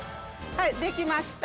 はいできました